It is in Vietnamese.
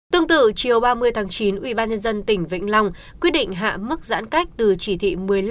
tương tự chiều ba mươi tháng chín ubnd tỉnh vĩnh long quyết định hạ mức giãn cách từ chỉ thị một mươi năm